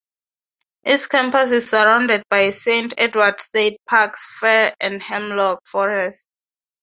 Its campus is surrounded by Saint Edward State Park's fir and hemlock forest.